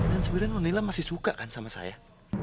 dan sebenernya nonila masih suka kan sama saya